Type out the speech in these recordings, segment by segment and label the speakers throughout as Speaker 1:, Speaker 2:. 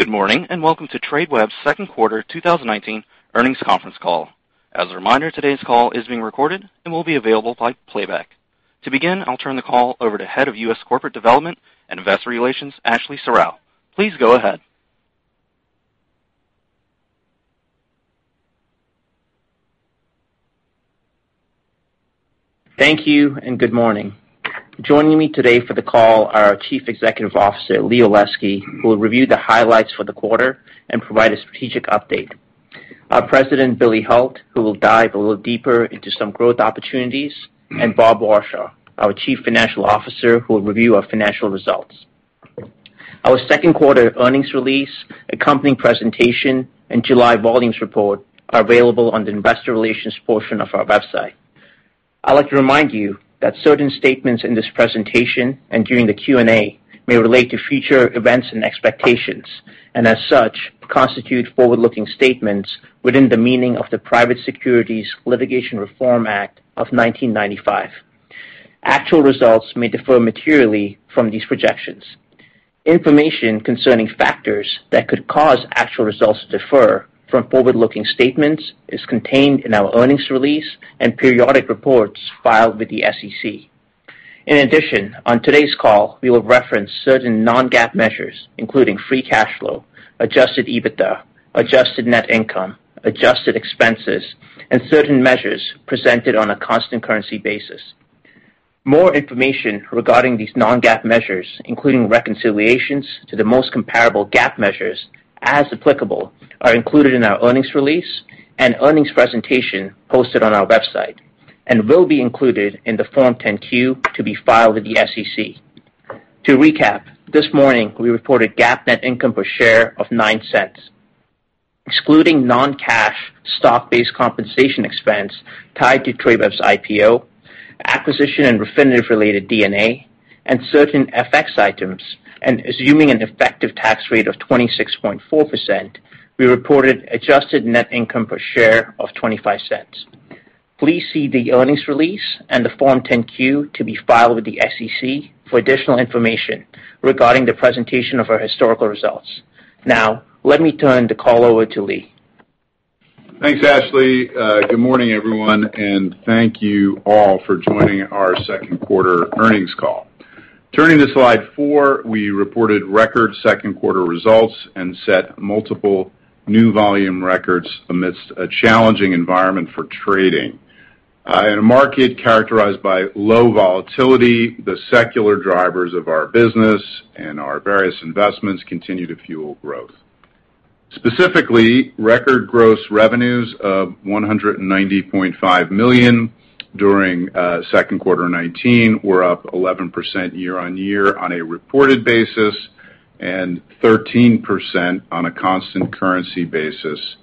Speaker 1: Good morning, and welcome to Tradeweb's second quarter 2019 earnings conference call. As a reminder, today's call is being recorded and will be available by playback. To begin, I'll turn the call over to Head of U.S. Corporate Development and Investor Relations, Ashley Serrao. Please go ahead.
Speaker 2: Thank you, and good morning. Joining me today for the call are our Chief Executive Officer, Lee Olesky, who will review the highlights for the quarter and provide a strategic update. Our President, Billy Hult, who will dive a little deeper into some growth opportunities, and Robert Warshaw, our Chief Financial Officer, who will review our financial results. Our second quarter earnings release, accompanying presentation, and July volumes report are available on the investor relations portion of our website. I'd like to remind you that certain statements in this presentation and during the Q&A may relate to future events and expectations, and as such, constitute forward-looking statements within the meaning of the Private Securities Litigation Reform Act of 1995. Actual results may differ materially from these projections. Information concerning factors that could cause actual results to differ from forward-looking statements is contained in our earnings release and periodic reports filed with the SEC. In addition, on today's call, we will reference certain non-GAAP measures, including free cash flow, adjusted EBITDA, adjusted net income, adjusted expenses, and certain measures presented on a constant currency basis. More information regarding these non-GAAP measures, including reconciliations to the most comparable GAAP measures, as applicable, are included in our earnings release and earnings presentation posted on our website and will be included in the Form 10-Q to be filed with the SEC. To recap, this morning, we reported GAAP net income per share of $0.09. Excluding non-cash stock-based compensation expense tied to Tradeweb's IPO, acquisition and Refinitiv-related D&A, and certain FX items, and assuming an effective tax rate of 26.4%, we reported adjusted net income per share of $0.25. Please see the earnings release and the Form 10-Q to be filed with the SEC for additional information regarding the presentation of our historical results. Let me turn the call over to Lee.
Speaker 3: Thanks, Ashley. Good morning, everyone, and thank you all for joining our second quarter earnings call. Turning to slide four, we reported record second-quarter results and set multiple new volume records amidst a challenging environment for trading. In a market characterized by low volatility, the secular drivers of our business and our various investments continue to fuel growth. Specifically, record gross revenues of $190.5 million during second quarter 2019 were up 11% year-on-year on a reported basis, and 13% on a constant currency basis,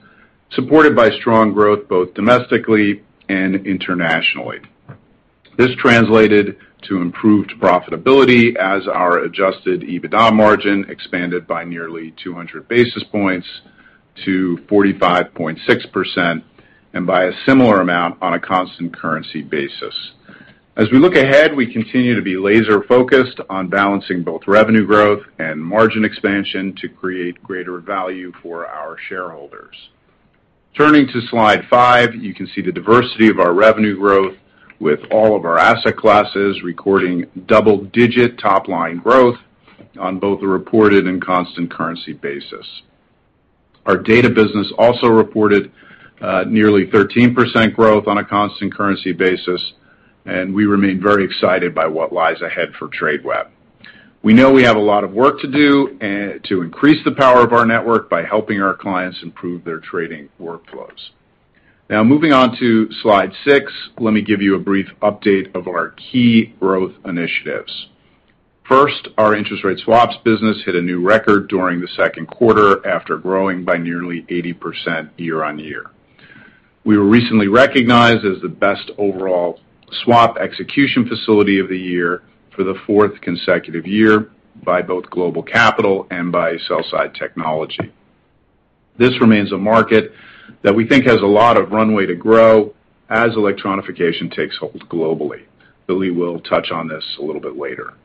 Speaker 3: supported by strong growth both domestically and internationally. This translated to improved profitability as our adjusted EBITDA margin expanded by nearly 200 basis points to 45.6%, and by a similar amount on a constant currency basis. As we look ahead, we continue to be laser-focused on balancing both revenue growth and margin expansion to create greater value for our shareholders. Turning to slide five, you can see the diversity of our revenue growth with all of our asset classes recording double-digit top-line growth on both a reported and constant currency basis. Our data business also reported nearly 13% growth on a constant currency basis, and we remain very excited by what lies ahead for Tradeweb. We know we have a lot of work to do to increase the power of our network by helping our clients improve their trading workflows. Moving on to slide six, let me give you a brief update of our key growth initiatives. First, our interest rate swaps business hit a new record during the second quarter after growing by nearly 80% year-on-year. We were recently recognized as the best overall swap execution facility of the year for the fourth consecutive year by both GlobalCapital and by Sell-Side Technology. This remains a market that we think has a lot of runway to grow as electronification takes hold globally. Billy will touch on this a little bit later.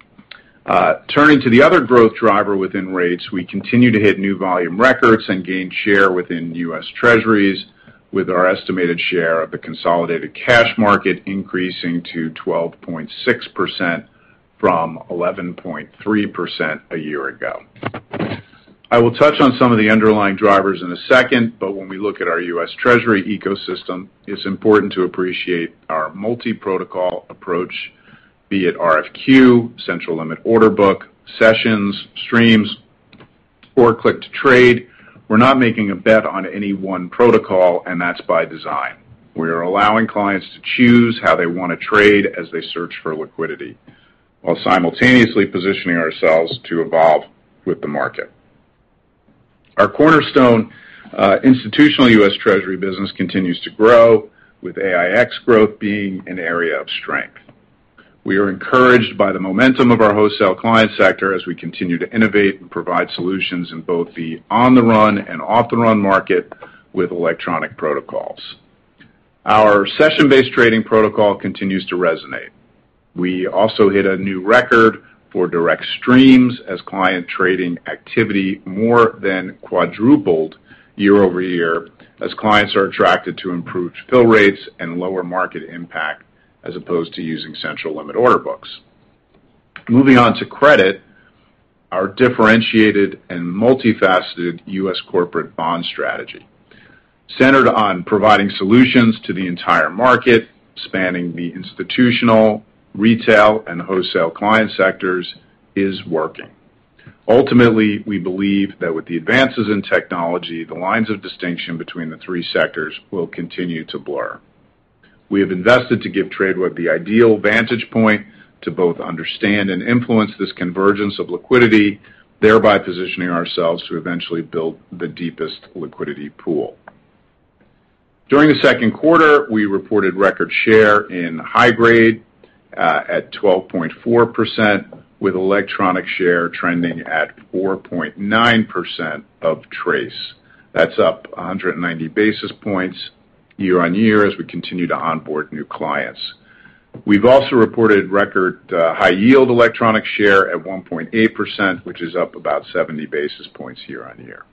Speaker 3: Turning to the other growth driver within rates, we continue to hit new volume records and gain share within U.S. Treasuries with our estimated share of the consolidated cash market increasing to 12.6% from 11.3% a year ago. I will touch on some of the underlying drivers in a second. When we look at our U.S. Treasury ecosystem, it's important to appreciate our multi-protocol approach, be it RFQ, central limit order book, sessions, streams, or click to trade. We're not making a bet on any one protocol. That's by design. We are allowing clients to choose how they want to trade as they search for liquidity, while simultaneously positioning ourselves to evolve with the market. Our cornerstone institutional U.S. Treasury business continues to grow, with AiEX growth being an area of strength. We are encouraged by the momentum of our wholesale client sector as we continue to innovate and provide solutions in both the on-the-run and off-the-run market with electronic protocols. Our session-based trading protocol continues to resonate. We also hit a new record for direct streams as client trading activity more than quadrupled year-over-year as clients are attracted to improved fill rates and lower market impact as opposed to using central limit order books. Moving on to credit, our differentiated and multifaceted U.S. corporate bond strategy, centered on providing solutions to the entire market, spanning the institutional, retail, and wholesale client sectors, is working. Ultimately, we believe that with the advances in technology, the lines of distinction between the three sectors will continue to blur. We have invested to give Tradeweb the ideal vantage point to both understand and influence this convergence of liquidity, thereby positioning ourselves to eventually build the deepest liquidity pool. During the second quarter, we reported record share in high grade at 12.4%, with electronic share trending at 4.9% of TRACE. That's up 190 basis points year-on-year as we continue to onboard new clients. We've also reported record high yield electronic share at 1.8%, which is up about 70 basis points year-on-year.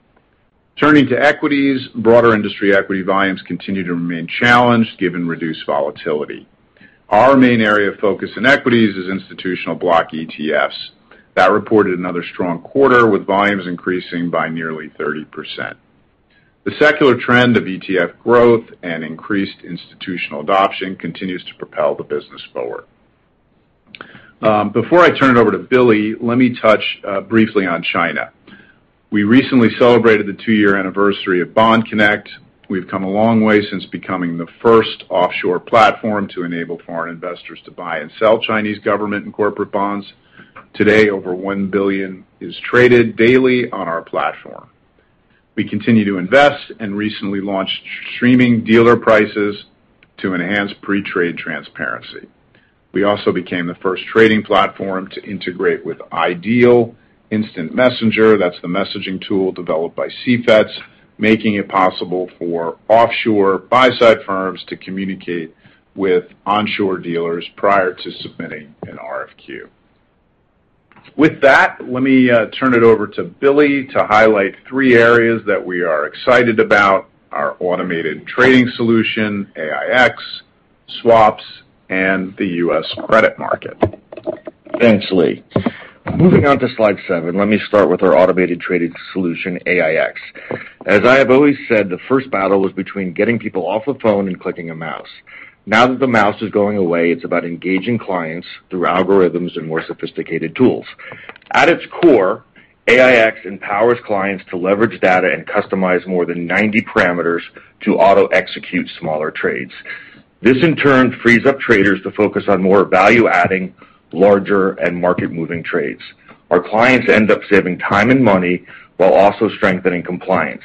Speaker 3: Turning to equities, broader industry equity volumes continue to remain challenged given reduced volatility. Our main area of focus in equities is institutional block ETFs. That reported another strong quarter with volumes increasing by nearly 30%. The secular trend of ETF growth and increased institutional adoption continues to propel the business forward. Before I turn it over to Billy, let me touch briefly on China. We recently celebrated the two-year anniversary of Bond Connect. We've come a long way since becoming the first offshore platform to enable foreign investors to buy and sell Chinese government and corporate bonds. Today, over $1 billion is traded daily on our platform. We continue to invest and recently launched streaming dealer prices to enhance pre-trade transparency. We also became the first trading platform to integrate with iDeal Instant Messenger, that's the messaging tool developed by CFETS, making it possible for offshore buy-side firms to communicate with onshore dealers prior to submitting an RFQ. With that, let me turn it over to Billy to highlight three areas that we are excited about, our automated trading solution, AiEX, swaps, and the U.S. credit market.
Speaker 4: Thanks, Lee. Moving on to slide seven, let me start with our automated trading solution, AiEX. As I have always said, the first battle was between getting people off the phone and clicking a mouse. Now that the mouse is going away, it's about engaging clients through algorithms and more sophisticated tools. At its core, AiEX empowers clients to leverage data and customize more than 90 parameters to auto-execute smaller trades. This, in turn, frees up traders to focus on more value-adding larger and market-moving trades. Our clients end up saving time and money while also strengthening compliance.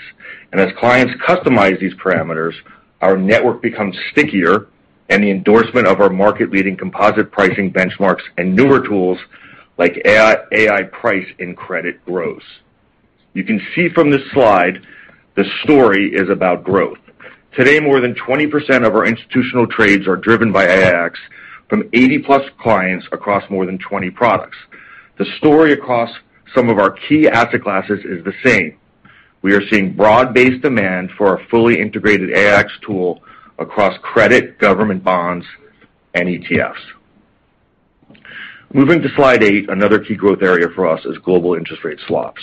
Speaker 4: As clients customize these parameters, our network becomes stickier and the endorsement of our market-leading composite pricing benchmarks and newer tools like Ai-Price and Credit grows. You can see from this slide, the story is about growth. Today, more than 20% of our institutional trades are driven by AiEX from 80-plus clients across more than 20 products. The story across some of our key asset classes is the same. We are seeing broad-based demand for our fully integrated AiEX tool across credit, government bonds, and ETFs. Moving to slide eight, another key growth area for us is global interest rate swaps.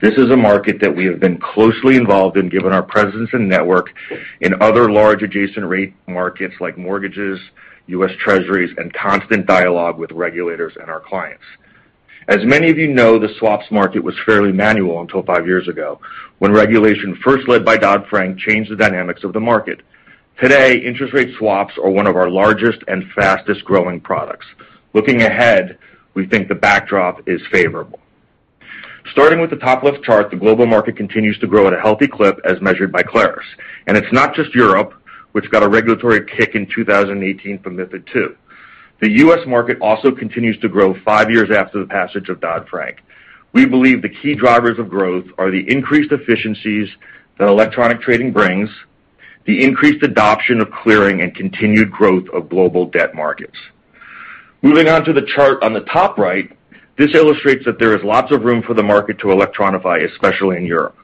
Speaker 4: This is a market that we have been closely involved in, given our presence and network in other large adjacent rate markets like mortgages, U.S. Treasuries, and constant dialogue with regulators and our clients. As many of you know, the swaps market was fairly manual until five years ago, when regulation first led by Dodd-Frank changed the dynamics of the market. Today, interest rate swaps are one of our largest and fastest-growing products. Looking ahead, we think the backdrop is favorable. Starting with the top-left chart, the global market continues to grow at a healthy clip as measured by Clarus. It's not just Europe, which got a regulatory kick in 2018 from MiFID II. The U.S. market also continues to grow five years after the passage of Dodd-Frank. We believe the key drivers of growth are the increased efficiencies that electronic trading brings, the increased adoption of clearing, and continued growth of global debt markets. Moving on to the chart on the top right, this illustrates that there is lots of room for the market to electronify, especially in Europe.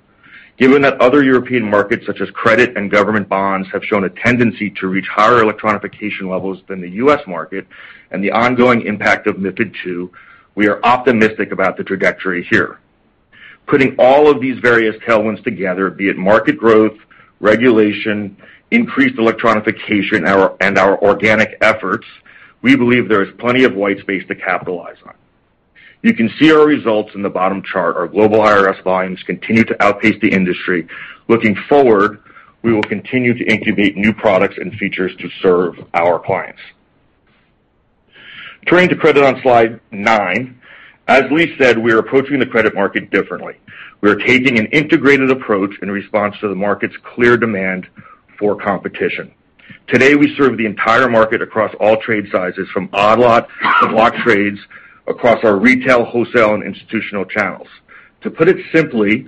Speaker 4: Given that other European markets, such as credit and government bonds, have shown a tendency to reach higher electronification levels than the U.S. market and the ongoing impact of MiFID II, we are optimistic about the trajectory here. Putting all of these various tailwinds together, be it market growth, regulation, increased electronification, and our organic efforts, we believe there is plenty of white space to capitalize on. You can see our results in the bottom chart. Our global IRS volumes continue to outpace the industry. Looking forward, we will continue to incubate new products and features to serve our clients. Turning to credit on slide nine, as Lee said, we are approaching the credit market differently. We are taking an integrated approach in response to the market's clear demand for competition. Today, we serve the entire market across all trade sizes, from odd lot to block trades across our retail, wholesale, and institutional channels. To put it simply,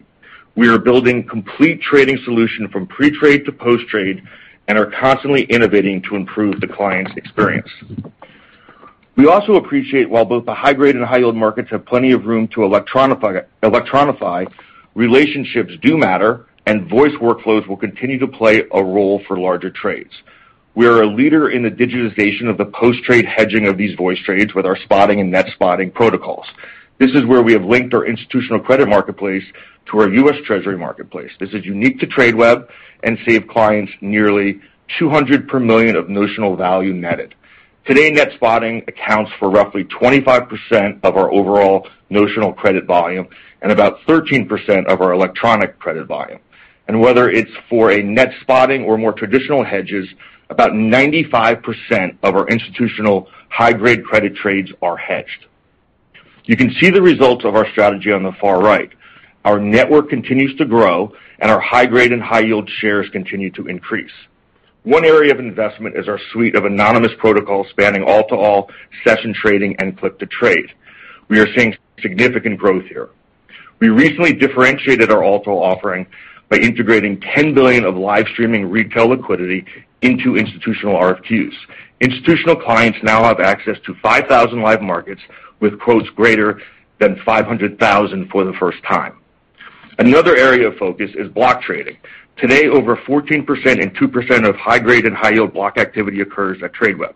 Speaker 4: we are building complete trading solution from pre-trade to post-trade and are constantly innovating to improve the client experience. We also appreciate while both the high-grade and high-yield markets have plenty of room to electronify, relationships do matter, and voice workflows will continue to play a role for larger trades. We are a leader in the digitization of the post-trade hedging of these voice trades with our spotting and net spotting protocols. This is where we have linked our institutional credit marketplace to our US Treasury marketplace. This is unique to Tradeweb and save clients nearly $200 per million of notional value netted. Today, net spotting accounts for roughly 25% of our overall notional credit volume and about 13% of our electronic credit volume. Whether it's for a net spotting or more traditional hedges, about 95% of our institutional high-grade credit trades are hedged. You can see the results of our strategy on the far right. Our network continues to grow, and our high-grade and high-yield shares continue to increase. One area of investment is our suite of anonymous protocols spanning all-to-all, session trading, and click-to-trade. We are seeing significant growth here. We recently differentiated our all-to-all offering by integrating $10 billion of live-streaming retail liquidity into institutional RFQs. Institutional clients now have access to 5,000 live markets with quotes greater than $500,000 for the first time. Another area of focus is block trading. Today, over 14% and 2% of high-grade and high-yield block activity occurs at Tradeweb.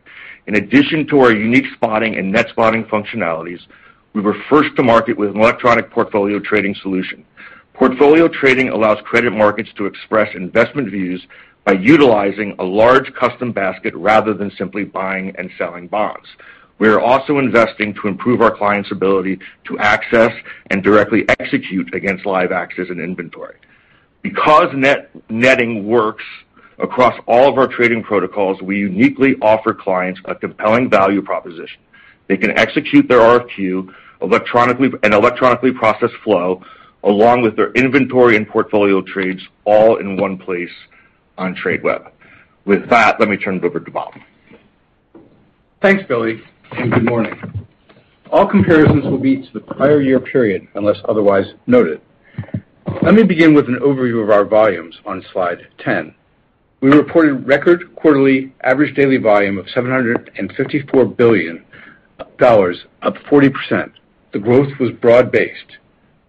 Speaker 4: In addition to our unique spotting and net spotting functionalities, we were first to market with an electronic portfolio trading solution. Portfolio trading allows credit markets to express investment views by utilizing a large custom basket rather than simply buying and selling bonds. We are also investing to improve our clients' ability to access and directly execute against live access and inventory. Netting works across all of our trading protocols, we uniquely offer clients a compelling value proposition. They can execute their RFQ and electronically process flow along with their inventory and portfolio trades all in one place on Tradeweb. With that, let me turn it over to Bob.
Speaker 5: Thanks, Billy. Good morning. All comparisons will be to the prior year period unless otherwise noted. Let me begin with an overview of our volumes on slide 10. We reported record quarterly average daily volume of $754 billion, up 40%. The growth was broad-based.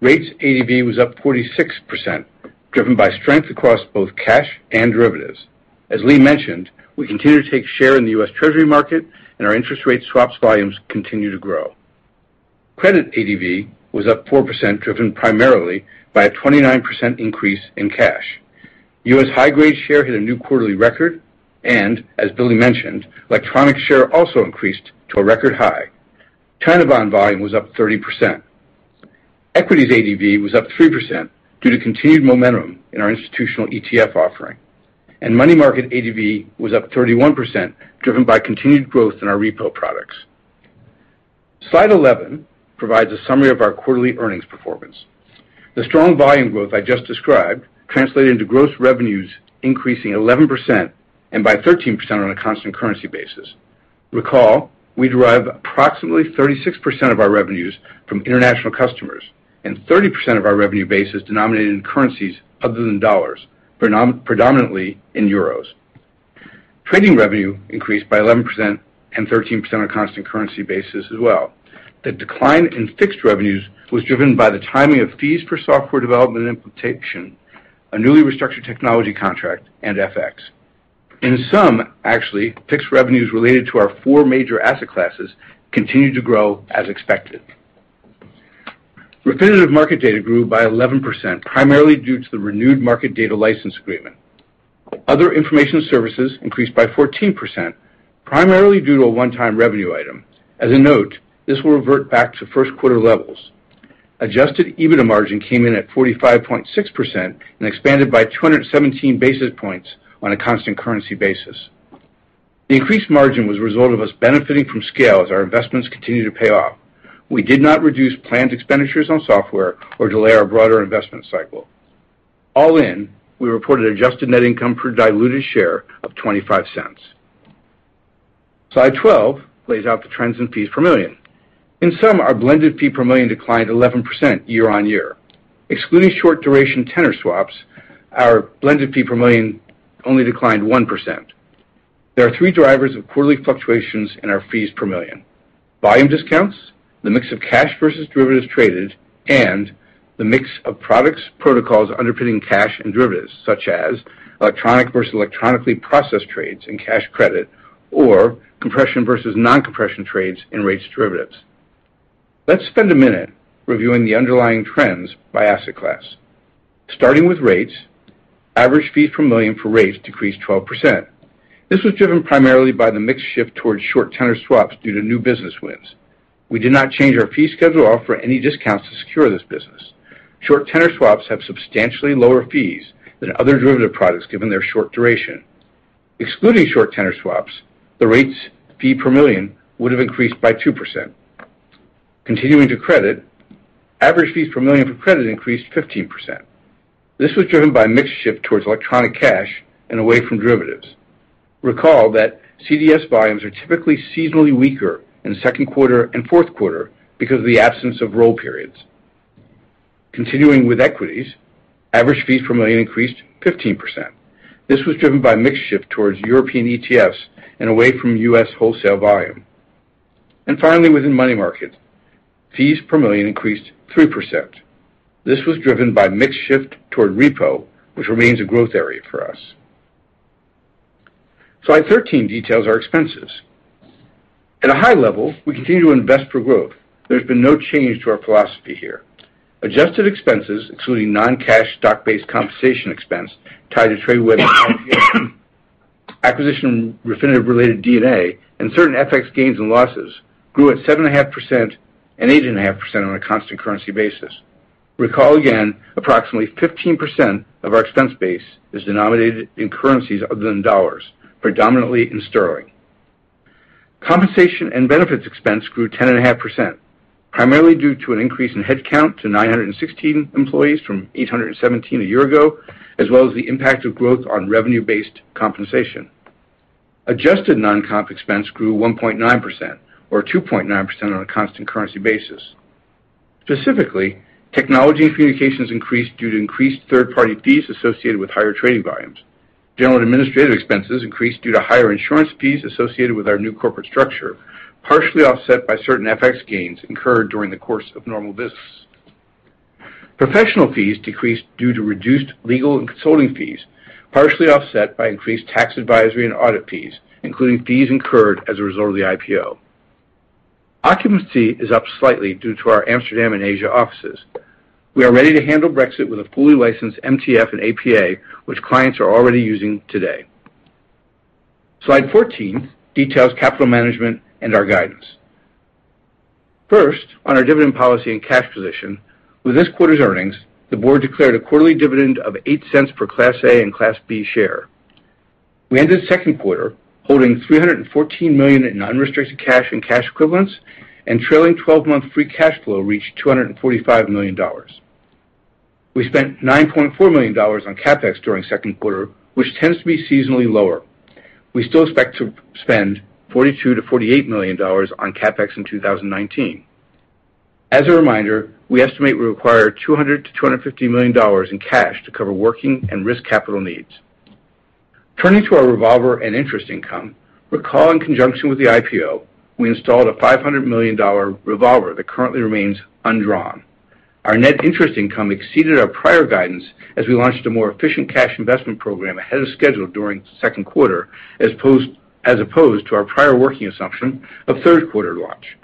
Speaker 5: Rates ADV was up 46%, driven by strength across both cash and derivatives. As Lee mentioned, we continue to take share in the U.S. Treasury market and our interest rate swaps volumes continue to grow. Credit ADV was up 4%, driven primarily by a 29% increase in cash. U.S. high-grade share hit a new quarterly record, and as Billy mentioned, electronic share also increased to a record high. China bond volume was up 30%. Equities ADV was up 3% due to continued momentum in our institutional ETF offering. Money market ADV was up 31%, driven by continued growth in our repo products. Slide eleven provides a summary of our quarterly earnings performance. The strong volume growth I just described translated into gross revenues increasing 11% and by 13% on a constant currency basis. Recall, we derive approximately 36% of our revenues from international customers and 30% of our revenue base is denominated in currencies other than USD, predominantly in EUR. Trading revenue increased by 11% and 13% on a constant currency basis as well. The decline in fixed revenues was driven by the timing of fees for software development and implementation, a newly restructured technology contract, and FX. In sum, actually, fixed revenues related to our four major asset classes continued to grow as expected. Repetitive market data grew by 11%, primarily due to the renewed market data license agreement. Other information services increased by 14%, primarily due to a one-time revenue item. As a note, this will revert back to first quarter levels. Adjusted EBITDA margin came in at 45.6% and expanded by 217 basis points on a constant currency basis. The increased margin was a result of us benefiting from scale as our investments continue to pay off. We did not reduce planned expenditures on software or delay our broader investment cycle. All in, we reported adjusted net income per diluted share of $0.25. Slide 12 lays out the trends in fees per million. In sum, our blended fee per million declined 11% year-over-year. Excluding short duration tenor swaps, our blended fee per million only declined 1%. There are three drivers of quarterly fluctuations in our fees per million: volume discounts, the mix of cash versus derivatives traded, and the mix of products protocols underpinning cash and derivatives, such as electronic versus electronically processed trades and cash credit or compression versus non-compression trades and rates derivatives. Let's spend a minute reviewing the underlying trends by asset class. Starting with rates, average fees per million for rates decreased 12%. This was driven primarily by the mix shift towards short tenor swaps due to new business wins. We did not change our fee schedule or offer any discounts to secure this business. Short tenor swaps have substantially lower fees than other derivative products given their short duration. Excluding short tenor swaps, the rates fee per million would have increased by 2%. Continuing to credit, average fees per million for credit increased 15%. This was driven by a mix shift towards electronic cash and away from derivatives. Recall that CDS volumes are typically seasonally weaker in the second quarter and fourth quarter because of the absence of roll periods. Continuing with equities, average fees per million increased 15%. This was driven by mix shift towards European ETFs and away from U.S. wholesale volume. Finally, within money market, fees per million increased 3%. This was driven by mix shift toward repo, which remains a growth area for us. Slide 13 details our expenses. At a high level, we continue to invest for growth. There's been no change to our philosophy here. Adjusted expenses, excluding non-cash stock-based compensation expense tied to Tradeweb's IPO, acquisition Refinitiv-related D&A, and certain FX gains and losses, grew at 7.5% and 8.5% on a constant currency basis. Recall again, approximately 15% of our expense base is denominated in currencies other than dollars, predominantly in sterling. Compensation and benefits expense grew 10.5%, primarily due to an increase in headcount to 916 employees from 817 a year ago, as well as the impact of growth on revenue-based compensation. Adjusted non-comp expense grew 1.9%, or 2.9% on a constant currency basis. Specifically, technology and communications increased due to increased third-party fees associated with higher trading volumes. General and administrative expenses increased due to higher insurance fees associated with our new corporate structure, partially offset by certain FX gains incurred during the course of normal business. Professional fees decreased due to reduced legal and consulting fees, partially offset by increased tax advisory and audit fees, including fees incurred as a result of the IPO. Occupancy is up slightly due to our Amsterdam and Asia offices. We are ready to handle Brexit with a fully licensed MTF and APA, which clients are already using today. Slide 14 details capital management and our guidance. First, on our dividend policy and cash position, with this quarter's earnings, the board declared a quarterly dividend of $0.08 per Class A and Class B share. We ended second quarter holding $314 million in unrestricted cash and cash equivalents, and trailing 12-month free cash flow reached $245 million. We spent $9.4 million on CapEx during second quarter, which tends to be seasonally lower. We still expect to spend $42 million-$48 million on CapEx in 2019. As a reminder, we estimate we require $200 million-$250 million in cash to cover working and risk capital needs. Turning to our revolver and interest income, recall in conjunction with the IPO, we installed a $500 million revolver that currently remains undrawn. Our net interest income exceeded our prior guidance as we launched a more efficient cash investment program ahead of schedule during second quarter, as opposed to our prior working assumption of third quarter launch.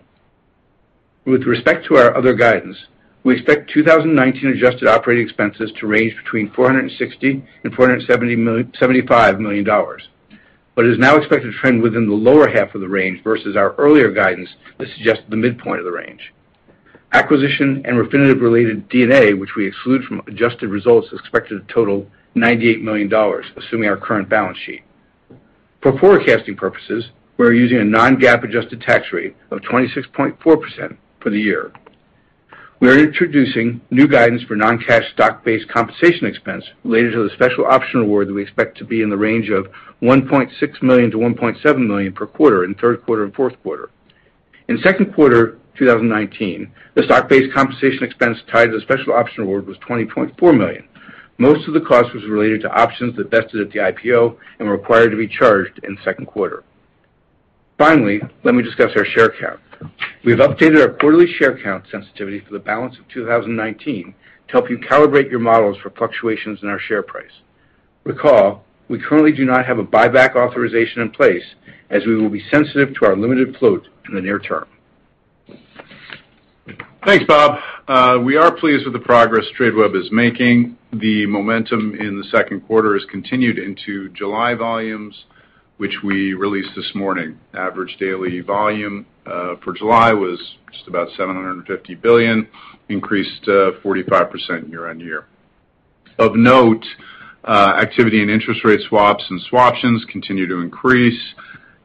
Speaker 5: With respect to our other guidance, we expect 2019 adjusted operating expenses to range between $460 million and $475 million, but is now expected to trend within the lower half of the range versus our earlier guidance that suggested the midpoint of the range. Acquisition and Refinitiv-related D&A, which we exclude from adjusted results, is expected to total $98 million, assuming our current balance sheet. For forecasting purposes, we're using a non-GAAP adjusted tax rate of 26.4% for the year. We are introducing new guidance for non-cash stock-based compensation expense related to the special option award that we expect to be in the range of $1.6 million-$1.7 million per quarter in third quarter and fourth quarter. In second quarter 2019, the stock-based compensation expense tied to the special option award was $20.4 million. Most of the cost was related to options that vested at the IPO and were required to be charged in second quarter. Let me discuss our share count. We've updated our quarterly share count sensitivity for the balance of 2019 to help you calibrate your models for fluctuations in our share price. Recall, we currently do not have a buyback authorization in place, as we will be sensitive to our limited float in the near term.
Speaker 3: Thanks, Bob. We are pleased with the progress Tradeweb is making. The momentum in the second quarter has continued into July volumes, which we released this morning. Average daily volume for July was just about $750 billion, increased 45% year-on-year. Of note, activity in interest rate swaps and swaptions continue to increase.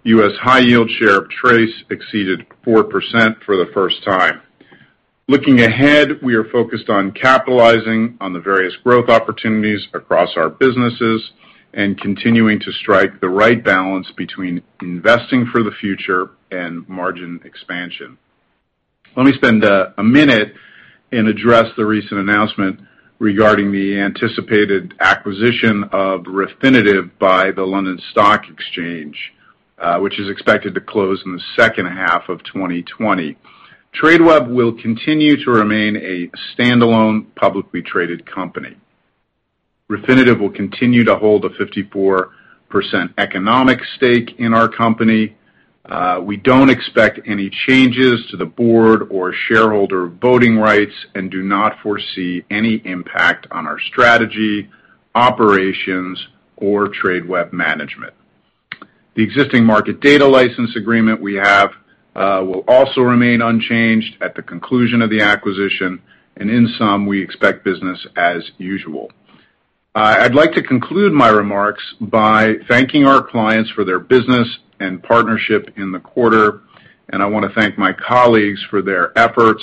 Speaker 3: U.S. high yield share of TRACE exceeded 4% for the first time. Looking ahead, we are focused on capitalizing on the various growth opportunities across our businesses and continuing to strike the right balance between investing for the future and margin expansion. Let me spend a minute and address the recent announcement regarding the anticipated acquisition of Refinitiv by the London Stock Exchange, which is expected to close in the second half of 2020. Tradeweb will continue to remain a standalone, publicly traded company. Refinitiv will continue to hold a 54% economic stake in our company. We don't expect any changes to the board or shareholder voting rights and do not foresee any impact on our strategy, operations, or Tradeweb management. The existing market data license agreement we have will also remain unchanged at the conclusion of the acquisition, and in sum, we expect business as usual. I'd like to conclude my remarks by thanking our clients for their business and partnership in the quarter, and I want to thank my colleagues for their efforts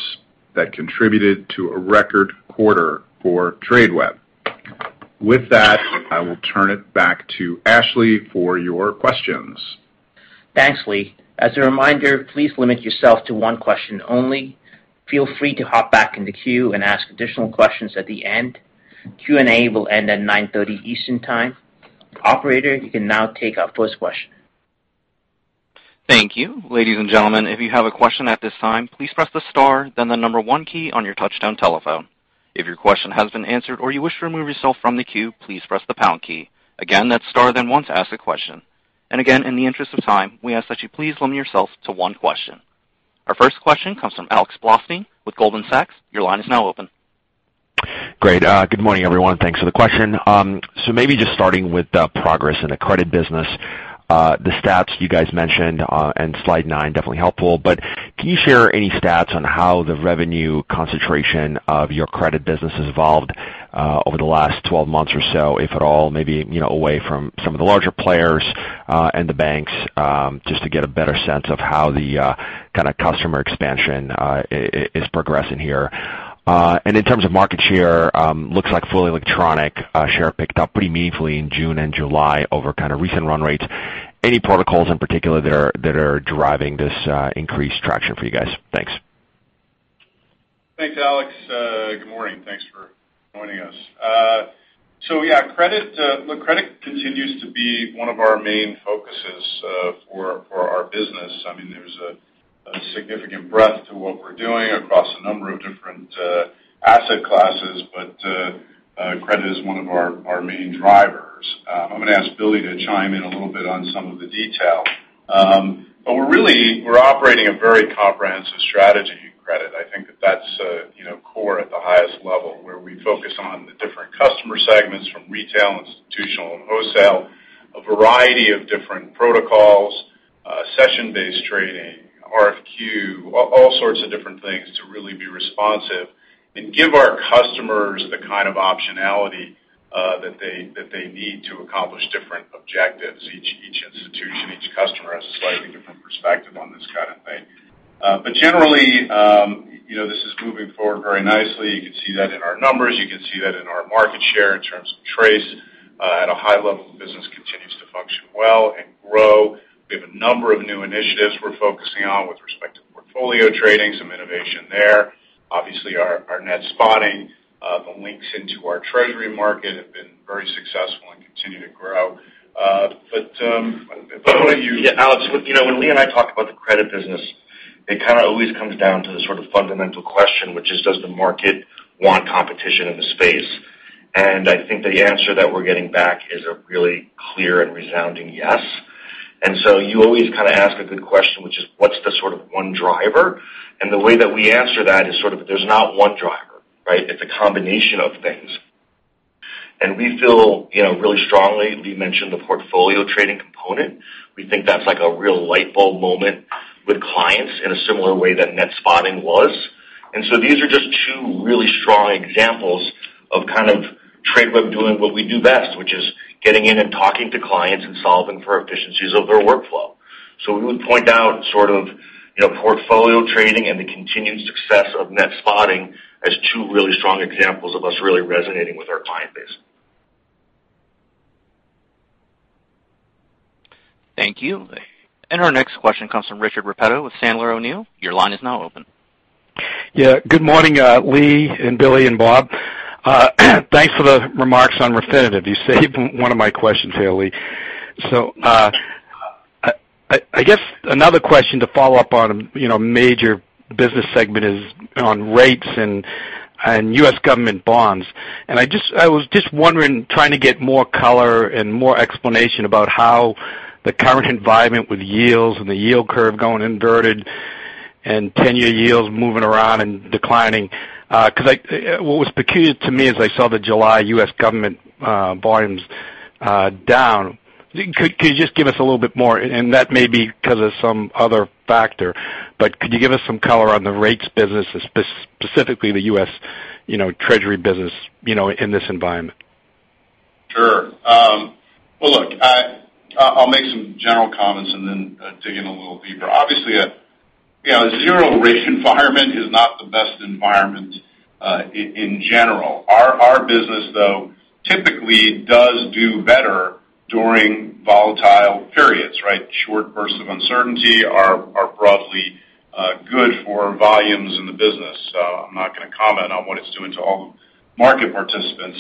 Speaker 3: that contributed to a record quarter for Tradeweb. With that, I will turn it back to Ashley Serrao for your questions.
Speaker 2: Thanks, Lee. As a reminder, please limit yourself to one question only. Feel free to hop back in the queue and ask additional questions at the end. Q&A will end at 9:30 A.M. Eastern Time. Operator, you can now take our first question.
Speaker 1: Thank you. Ladies and gentlemen, if you have a question at this time, please press the star then the number 1 key on your touchtone telephone. If your question has been answered or you wish to remove yourself from the queue, please press the pound key. Again, that's star then 1 to ask a question. Again, in the interest of time, we ask that you please limit yourself to one question. Our first question comes from Alexander Blostein with Goldman Sachs. Your line is now open.
Speaker 6: Great. Good morning, everyone. Thanks for the question. Maybe just starting with the progress in the credit business. The stats you guys mentioned on slide nine, definitely helpful. Can you share any stats on how the revenue concentration of your credit business has evolved over the last 12 months or so, if at all, maybe away from some of the larger players and the banks, just to get a better sense of how the customer expansion is progressing here. In terms of market share, looks like fully electronic share picked up pretty meaningfully in June and July over recent run rates. Any protocols in particular that are driving this increased traction for you guys? Thanks.
Speaker 3: Thanks, Alex. Good morning. Thanks for joining us. Yeah, credit continues to be one of our main focuses for our business. There's a significant breadth to what we're doing across a number of different asset classes, but credit is one of our main drivers. I'm going to ask Billy to chime in a little bit on some of the detail. We're operating a very comprehensive strategy in credit. I think that that's core at the highest level, where we focus on the different customer segments from retail, institutional, and wholesale, a variety of different protocols, session-based trading, RFQ, all sorts of different things to really be responsive and give our customers the kind of optionality that they need to accomplish different objectives. Each institution, each customer has a slightly different perspective on this kind of thing. Generally, this is moving forward very nicely. You can see that in our numbers. You can see that in our market share in terms of TRACE. At a high level, the business continues to function well and grow. We have a number of new initiatives we're focusing on with respect to portfolio trading, some innovation there. Obviously, our net spotting, the links into our treasury market have been very successful and continue to grow. Billy.
Speaker 4: Yeah, Alex, when Lee and I talk about the credit business, it kind of always comes down to the sort of fundamental question, which is, does the market want competition in the space? I think the answer that we're getting back is a really clear and resounding yes. You always kind of ask a good question, which is, what's the sort of one driver? The way that we answer that is sort of, there's not one driver, right? It's a combination of things. We feel really strongly, Lee mentioned the portfolio trading component. We think that's like a real light bulb moment with clients in a similar way that net spotting was. These are just two really strong examples of Tradeweb doing what we do best, which is getting in and talking to clients and solving for efficiencies of their workflow. We would point out portfolio trading and the continued success of net spotting as two really strong examples of us really resonating with our client base.
Speaker 1: Thank you. Our next question comes from Richard Repetto with Sandler O'Neill. Your line is now open.
Speaker 7: Good morning, Lee and Billy and Bob. Thanks for the remarks on Refinitiv. You saved one of my questions there, Lee. I guess another question to follow up on a major business segment is on rates and U.S. government bonds. I was just wondering, trying to get more color and more explanation about how the current environment with yields and the yield curve going inverted and 10-year yields moving around and declining, because what was peculiar to me as I saw the July U.S. government volumes down. Could you just give us a little bit more? That may be because of some other factor, but could you give us some color on the rates business, specifically the U.S. Treasury business, in this environment?
Speaker 3: Sure. Look, I'll make some general comments and then dig in a little deeper. Obviously, a zero rate environment is not the best environment in general. Our business, though, typically does do better during volatile periods. Short bursts of uncertainty are broadly good for volumes in the business. I'm not going to comment on what it's doing to all the market participants.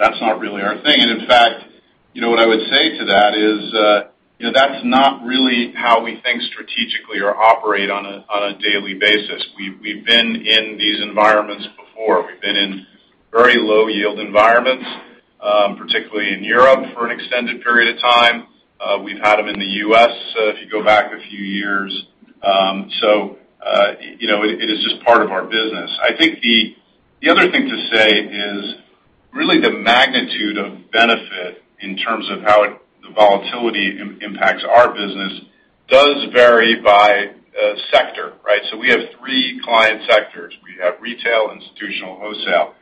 Speaker 3: That's not really our thing. In fact, what I would say to that is, that's not really how we think strategically or operate on a daily basis. We've been in these environments before. We've been in very low-yield environments, particularly in Europe for an extended period of time. We've had them in the U.S. if you go back a few years. It is just part of our business. I think the other thing to say is really the magnitude of benefit in terms of how the volatility impacts our business does vary by sector, right? We have three client sectors. We have retail, institutional, wholesale.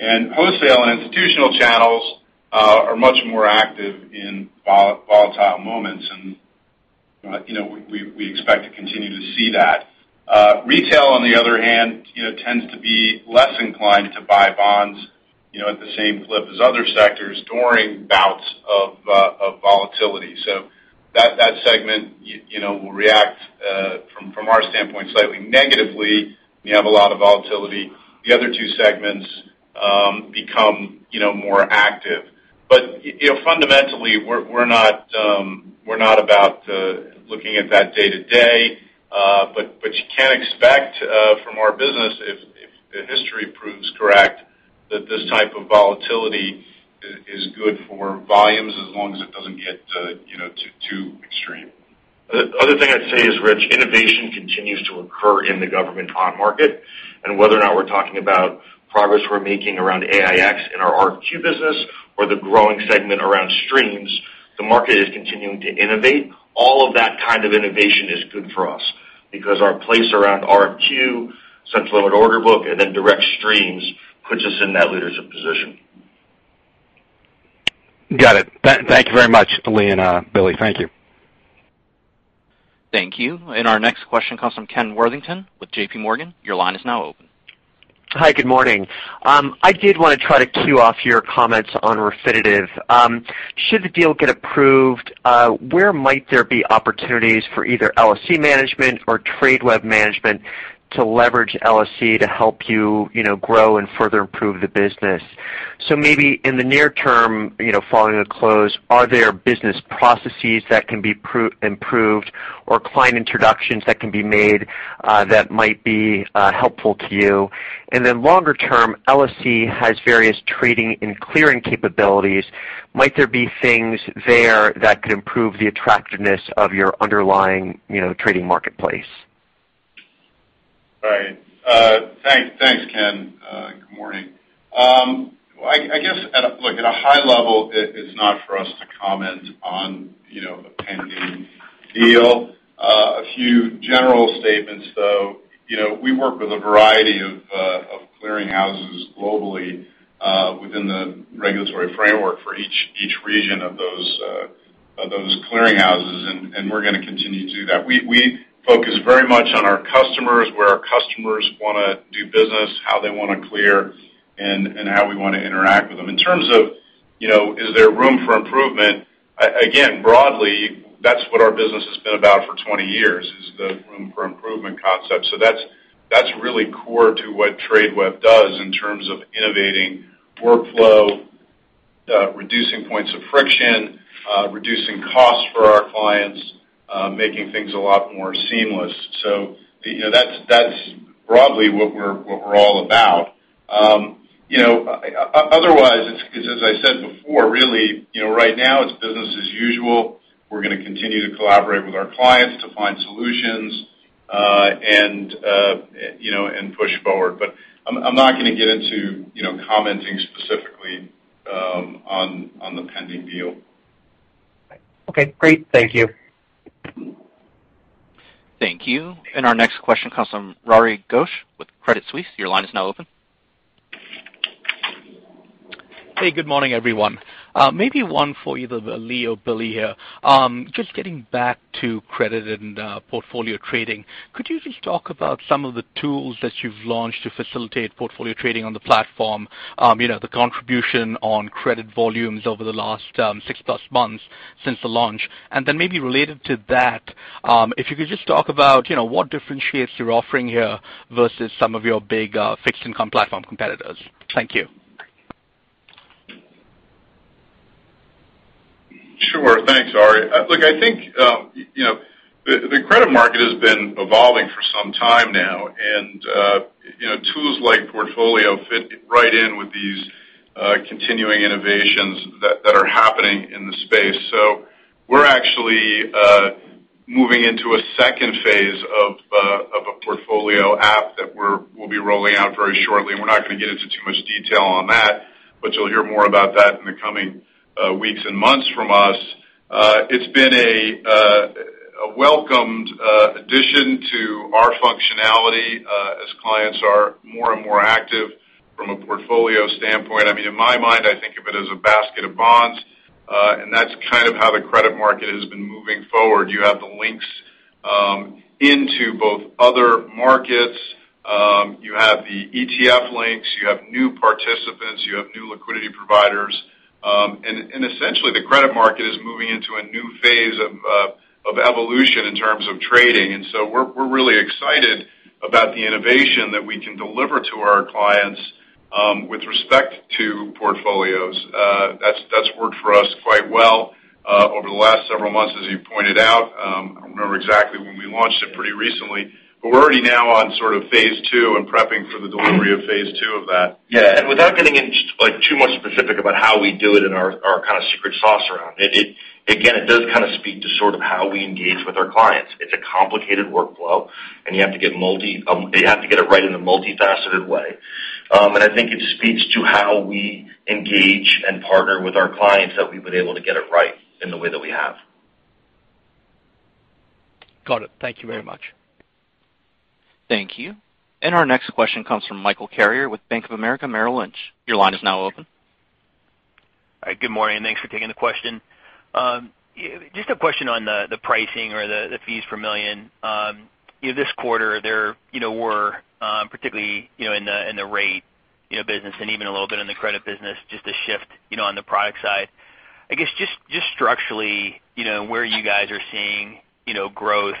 Speaker 3: Wholesale and institutional channels are much more active in volatile moments. We expect to continue to see that. Retail, on the other hand, tends to be less inclined to buy bonds at the same clip as other sectors during bouts of volatility. That segment will react, from our standpoint, slightly negatively when you have a lot of volatility. The other two segments become more active. Fundamentally, we're not about looking at that day to day. You can expect from our business, if history proves correct, that this type of volatility is good for volumes as long as it doesn't get too extreme.
Speaker 4: The other thing I'd say is, Rich, innovation continues to occur in the government bond market, whether or not we're talking about progress we're making around AiEX in our RFQ business or the growing segment around streams, the market is continuing to innovate. All of that kind of innovation is good for us because our place around RFQ, central limit order book, and then direct streams puts us in that leadership position.
Speaker 7: Got it. Thank you very much, Lee and Billy. Thank you.
Speaker 1: Thank you. Our next question comes from Ken Worthington with JPMorgan. Your line is now open.
Speaker 8: Hi, good morning. I did want to try to cue off your comments on Refinitiv. Should the deal get approved, where might there be opportunities for either LSEG management or Tradeweb management to leverage LSEG to help you grow and further improve the business? Maybe in the near term, following the close, are there business processes that can be improved or client introductions that can be made that might be helpful to you? Longer term, LSEG has various trading and clearing capabilities. Might there be things there that could improve the attractiveness of your underlying trading marketplace?
Speaker 3: Right. Thanks, Ken. Good morning. I guess, look, at a high level, it's not for us to comment on a pending deal. A few general statements, though. We work with a variety of clearing houses globally within the regulatory framework for each region of those clearing houses, and we're going to continue to do that. We focus very much on our customers, where our customers want to do business, how they want to clear, and how we want to interact with them. In terms of, is there room for improvement? Again, broadly, that's what our business has been about for 20 years, is the room for improvement concept. That's really core to what Tradeweb does in terms of innovating workflow, reducing points of friction, reducing costs for our clients, making things a lot more seamless. That's broadly what we're all about. Because as I said before, really, right now it's business as usual. We're going to continue to collaborate with our clients to find solutions and push forward. I'm not going to get into commenting specifically on the pending deal.
Speaker 8: Okay, great. Thank you.
Speaker 1: Thank you. Our next question comes from Ari Ghosh with Credit Suisse. Your line is now open.
Speaker 9: Hey, good morning, everyone. Maybe one for either Lee or Billy here. Getting back to credit and portfolio trading, could you just talk about some of the tools that you've launched to facilitate portfolio trading on the Tradeweb platform, the contribution on credit volumes over the last six-plus months since the launch? Maybe related to that, if you could just talk about what differentiates your offering here versus some of your big fixed income platform competitors. Thank you.
Speaker 3: Sure. Thanks, Ari. I think, the credit market has been evolving for some time now. Tools like Portfolio fit right in with these continuing innovations that are happening in the space. We're actually moving into a phase 2 of a portfolio app that we'll be rolling out very shortly. We're not going to get into too much detail on that, but you'll hear more about that in the coming weeks and months from us. It's been a welcomed addition to our functionality as clients are more and more active from a portfolio standpoint. In my mind, I think of it as a basket of bonds. That's kind of how the credit market has been moving forward. You have the links into both other markets. You have the ETF links. You have new participants. You have new liquidity providers. Essentially, the credit market is moving into a new phase of evolution in terms of trading. We're really excited about the innovation that we can deliver to our clients with respect to portfolios. That's worked for us quite well over the last several months, as you pointed out. I don't remember exactly when we launched it pretty recently, but we're already now on sort of phase 2 and prepping for the delivery of phase 2 of that.
Speaker 4: Yeah. Without getting in too much specific about how we do it in our kind of secret sauce around it, again, it does kind of speak to sort of how we engage with our clients. It's a complicated workflow, and you have to get it right in a multifaceted way. I think it speaks to how we engage and partner with our clients that we've been able to get it right in the way that we have.
Speaker 9: Got it. Thank you very much.
Speaker 1: Thank you. Our next question comes from Michael Carrier with Bank of America Merrill Lynch. Your line is now open.
Speaker 10: All right. Good morning. Thanks for taking the question. Just a question on the pricing or the fees per million. This quarter, there were, particularly in the rate business and even a little bit in the credit business, just a shift on the product side. I guess, just structurally, where you guys are seeing growth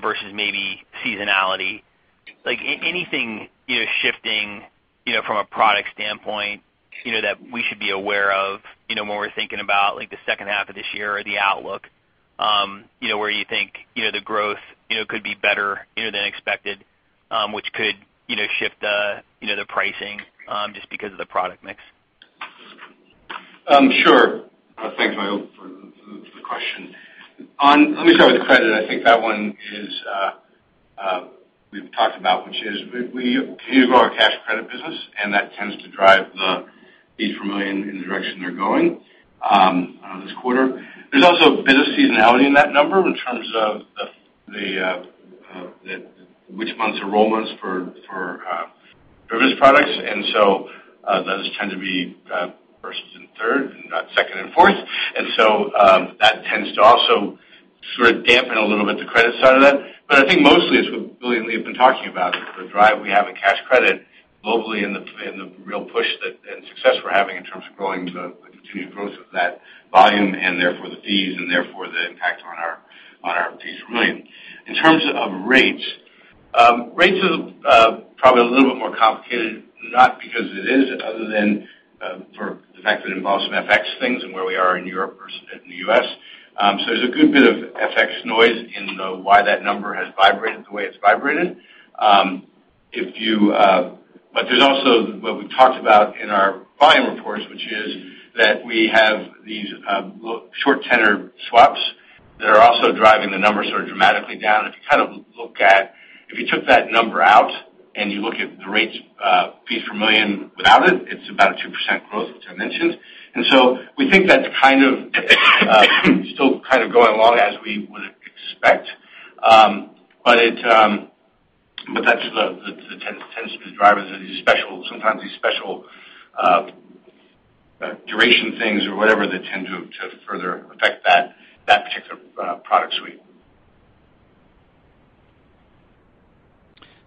Speaker 10: versus maybe seasonality. Anything shifting from a product standpoint that we should be aware of when we're thinking about the second half of this year or the outlook, where you think the growth could be better than expected, which could shift the pricing just because of the product mix?
Speaker 5: Sure. Thanks, Michael, for the question. Let me start with the credit. I think that one we've talked about, which is we continue to grow our cash credit business, that tends to drive the fees per million in the direction they're going this quarter. There's also a bit of seasonality in that number in terms of which month's enrollments for previous products. Those tend to be first and third and not second and fourth. That tends to also sort of dampen a little bit the credit side of that. I think mostly it's what Billy and Lee have been talking about, is the drive we have in cash credit globally and the real push that, and success we're having in terms of the continued growth of that volume and therefore the fees, and therefore the impact on our fees per million. In terms of rates. Rates is probably a little bit more complicated, not because it is other than for the fact that it involves some FX things and where we are in Europe versus in the U.S. There's a good bit of FX noise in why that number has vibrated the way it's vibrated. There's also what we've talked about in our volume reports, which is that we have these short tenor swaps that are also driving the numbers sort of dramatically down. If you took that number out and you look at the rates fees per million without it's about a 2% growth, which I mentioned. We think that's kind of still going along as we would expect. That tends to be the drivers of these special, sometimes these special duration things or whatever, that tend to further affect that particular product suite.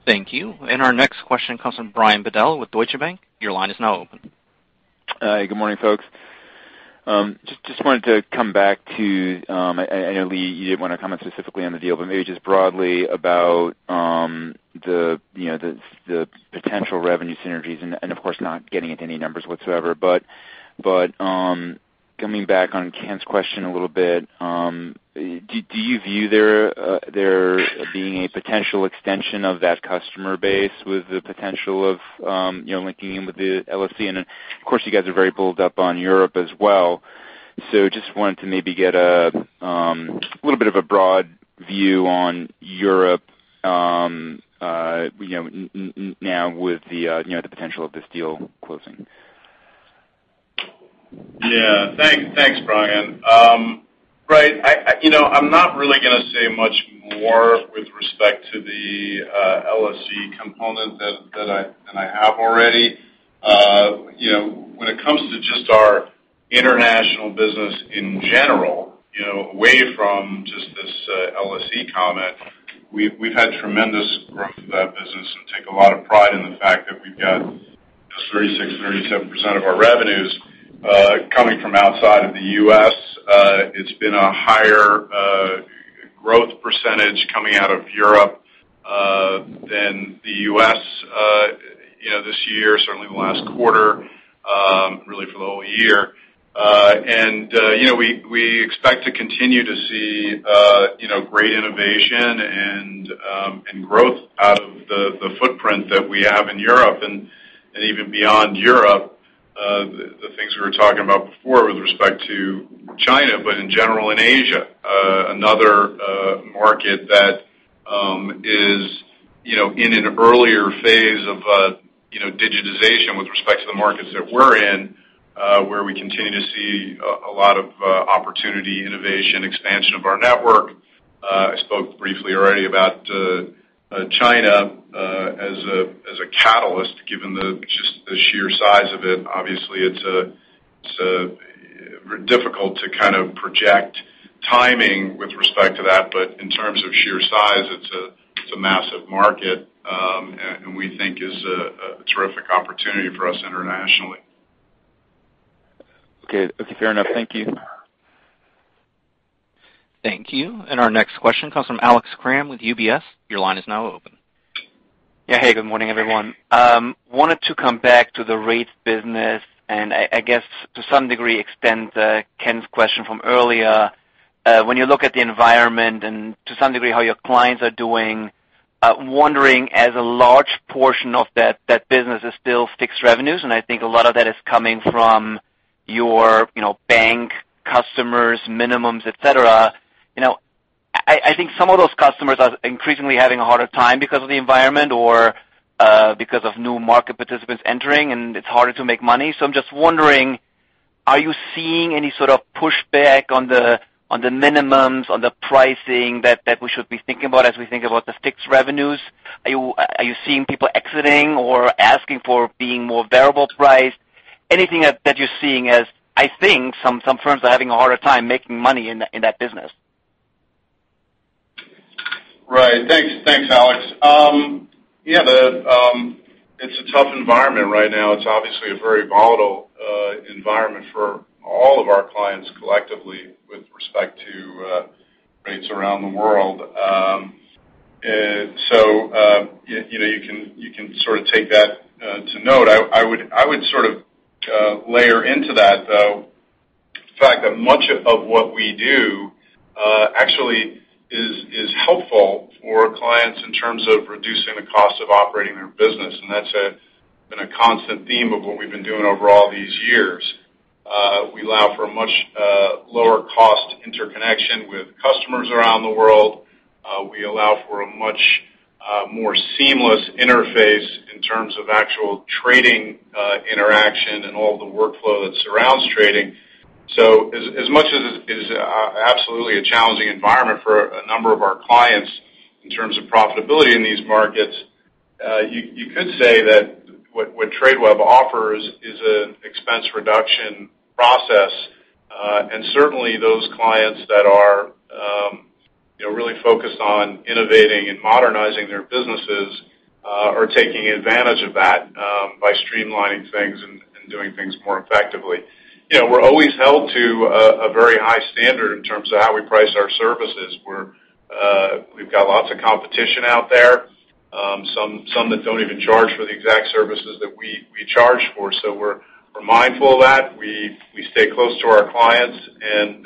Speaker 1: Thank you. Our next question comes from Brian Bedell with Deutsche Bank. Your line is now open.
Speaker 11: Good morning, folks. Just wanted to come back to, I know, Lee, you didn't want to comment specifically on the deal, maybe just broadly about the potential revenue synergies and of course, not getting into any numbers whatsoever. Coming back on Ken's question a little bit, do you view there being a potential extension of that customer base with the potential of linking in with the LSEG? Of course, you guys are very bulled up on Europe as well. Just wanted to maybe get a little bit of a broad view on Europe now with the potential of this deal closing.
Speaker 3: Yeah. Thanks, Brian. I'm not really going to say much more with respect to the LSEG component than I have already. When it comes to just our international business in general, away from just this LSEG comment, we've had tremendous growth in that business and take a lot of pride in the fact that we've got 36, 37% of our revenues coming from outside of the U.S. It's been a higher growth percentage coming out of Europe than the U.S. this year, certainly in the last quarter, really for the whole year. We expect to continue to see great innovation and growth out of the footprint that we have in Europe and even beyond Europe. The things we were talking about before with respect to China, but in general in Asia, another market that is in an earlier phase of digitization with respect to the markets that we're in where we continue to see a lot of opportunity, innovation, expansion of our network. I spoke briefly already about China as a catalyst, given just the sheer size of it. Obviously, it's difficult to kind of project timing with respect to that. In terms of sheer size, it's a massive market, and we think is a terrific opportunity for us internationally.
Speaker 11: Okay, fair enough. Thank you.
Speaker 1: Thank you. Our next question comes from Alex Kramm with UBS. Your line is now open.
Speaker 12: Yeah. Hey, good morning, everyone. Wanted to come back to the rates business, and I guess to some degree, extend Ken's question from earlier. When you look at the environment and to some degree, how your clients are doing, wondering as a large portion of that business is still fixed revenues, and I think a lot of that is coming from your bank customers, minimums, et cetera. I think some of those customers are increasingly having a harder time because of the environment or because of new market participants entering, and it's harder to make money. I'm just wondering. Are you seeing any sort of pushback on the minimums, on the pricing that we should be thinking about as we think about the fixed revenues? Are you seeing people exiting or asking for being more variable priced? Anything that you're seeing as I think some firms are having a harder time making money in that business.
Speaker 3: Right. Thanks, Alex. Yeah, it's a tough environment right now. It's obviously a very volatile environment for all of our clients collectively with respect to rates around the world. You can sort of take that to note. I would sort of layer into that, though, the fact that much of what we do actually is helpful for clients in terms of reducing the cost of operating their business, and that's been a constant theme of what we've been doing over all these years. We allow for a much lower cost interconnection with customers around the world. We allow for a much more seamless interface in terms of actual trading interaction and all the workflow that surrounds trading. As much as it is absolutely a challenging environment for a number of our clients in terms of profitability in these markets, you could say that what Tradeweb offers is an expense reduction process. Certainly those clients that are really focused on innovating and modernizing their businesses are taking advantage of that by streamlining things and doing things more effectively. We're always held to a very high standard in terms of how we price our services, where we've got lots of competition out there. Some that don't even charge for the exact services that we charge for. We're mindful of that. We stay close to our clients, and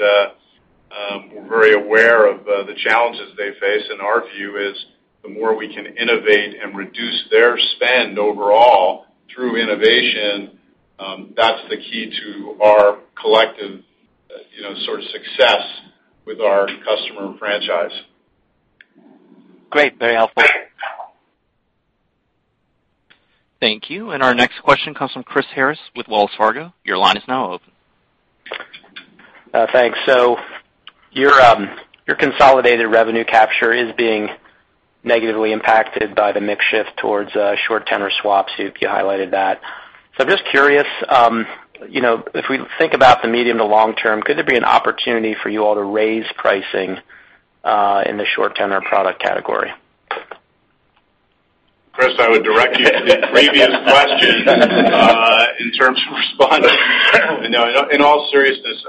Speaker 3: we're very aware of the challenges they face. Our view is, the more we can innovate and reduce their spend overall through innovation, that's the key to our collective sort of success with our customer franchise.
Speaker 12: Great. Very helpful.
Speaker 1: Thank you. Our next question comes from Chris Harris with Wells Fargo. Your line is now open.
Speaker 13: Thanks. Your consolidated revenue capture is being negatively impacted by the mix shift towards short tenor swaps. You highlighted that. I'm just curious, if we think about the medium to long term, could there be an opportunity for you all to raise pricing in the short tenor product category?
Speaker 3: Chris, I would direct you to the previous question in terms of responding. No, in all seriousness,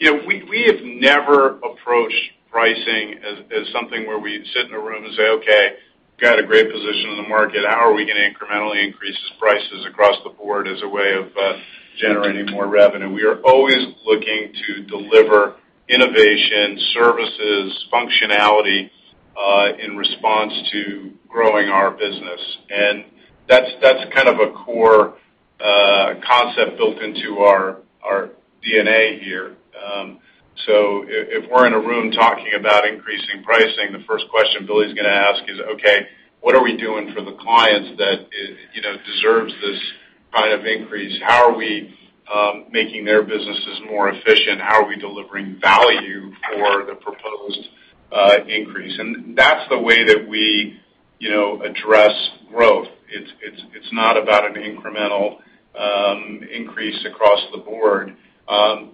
Speaker 3: we have never approached pricing as something where we sit in a room and say, "Okay, got a great position in the market. How are we going to incrementally increase prices across the board as a way of generating more revenue?" We are always looking to deliver innovation, services, functionality, in response to growing our business, and that's kind of a core concept built into our D&A here. If we're in a room talking about increasing pricing, the first question Billy's going to ask is, "Okay, what are we doing for the clients that deserves this kind of increase? How are we making their businesses more efficient? How are we delivering value for the proposed increase?" That's the way that we address growth. It's not about an incremental increase across the board.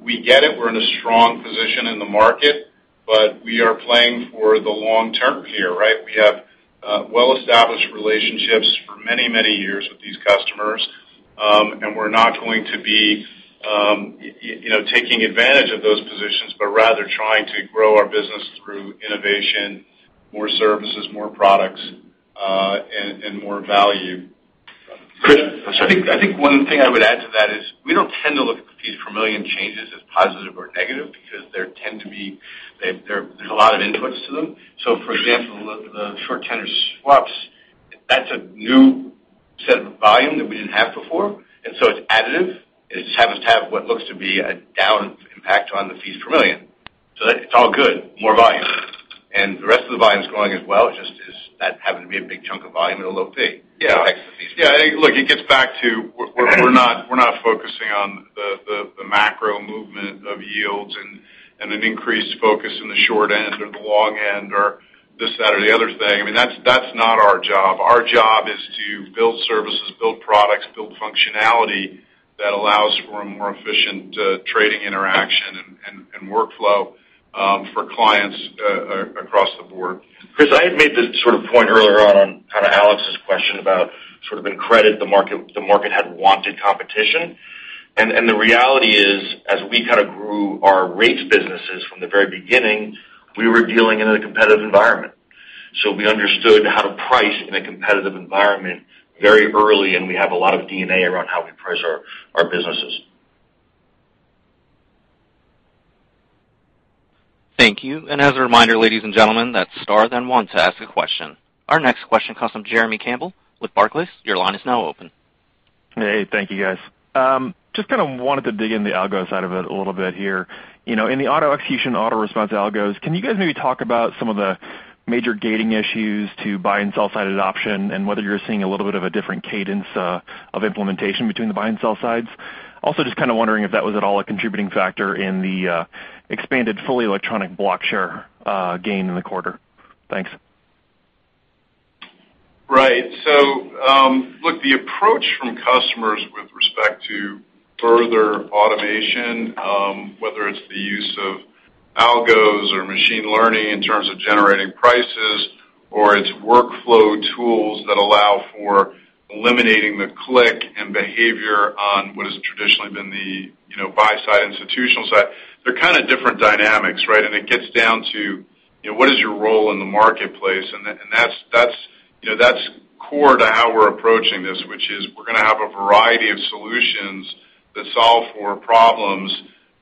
Speaker 3: We get it. We're in a strong position in the market, but we are playing for the long term here, right? We have well-established relationships for many years with these customers. We're not going to be taking advantage of those positions, but rather trying to grow our business through innovation, more services, more products, and more value.
Speaker 4: Chris, I think one thing I would add to that is, we don't tend to look at fees per million changes as positive or negative because there tend to be a lot of inputs to them. For example, the short tenor swaps, that's a new set of volume that we didn't have before, and so it's additive and it just happens to have what looks to be a down impact on the fees per million. It's all good. More volume. The rest of the volume's growing as well, it just is that happened to be a big chunk of volume at a low fee.
Speaker 3: Yeah. Look, it gets back to we're not focusing on the macro movement of yields and an increased focus in the short end or the long end or this, that, or the other thing. I mean, that's not our job. Our job is to build services, build products, build functionality that allows for a more efficient trading interaction and workflow for clients across the board.
Speaker 4: Chris, I had made this sort of point earlier on kind of Alex's question about sort of in credit, the market had wanted competition. The reality is, as we kind of grew our rates businesses from the very beginning, we were dealing in a competitive environment. We understood how to price in a competitive environment very early, and we have a lot of D&A around how we price our businesses.
Speaker 1: Thank you. As a reminder, ladies and gentlemen, that's star then one to ask a question. Our next question comes from Jeremy Campbell with Barclays. Your line is now open.
Speaker 14: Hey, thank you, guys. Just kind of wanted to dig in the algo side of it a little bit here. In the auto execution, auto response algos, can you guys maybe talk about some of the major gating issues to buy and sell-side adoption, and whether you're seeing a little bit of a different cadence of implementation between the buy and sell sides? Just kind of wondering if that was at all a contributing factor in the expanded fully electronic block share gain in the quarter. Thanks.
Speaker 3: Right. Look, the approach from customers with respect to further automation, whether it's the use of algos or machine learning in terms of generating prices, or it's workflow tools that allow for eliminating the click and behavior on what has traditionally been the buy-side, institutional side. They're kind of different dynamics, right? It gets down to what is your role in the marketplace. That's core to how we're approaching this, which is we're going to have a variety of solutions that solve for problems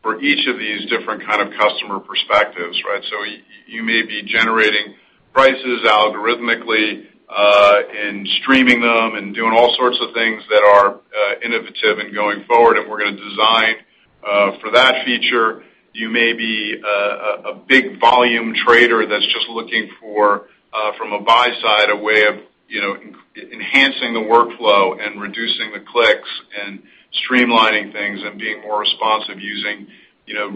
Speaker 3: for each of these different kind of customer perspectives, right? You may be generating prices algorithmically, and streaming them and doing all sorts of things that are innovative and going forward, and we're going to design for that feature. You may be a big volume trader that's just looking for, from a buy side, a way of enhancing the workflow and reducing the clicks, and streamlining things and being more responsive using